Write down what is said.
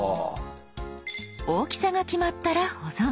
大きさが決まったら保存。